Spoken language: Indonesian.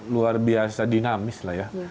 luar biasa dinamis lah ya